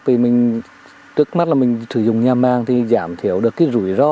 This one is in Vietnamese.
vì mình trước mắt là mình sử dụng nhà màng thì giảm thiểu được cái rủi ro